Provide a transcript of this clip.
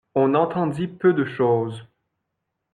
On entendit peu de choses.